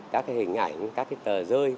các cái hình ảnh các cái tờ rơi